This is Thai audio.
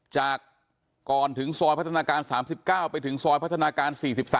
จากก่อนถึงซอยพัฒนาการ๓๙ไปถึงซอยพัฒนาการ๔๓